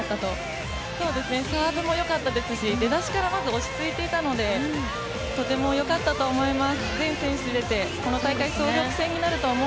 スタートもよかったですし出だしから落ち着いていたのでとてもよかったと思います。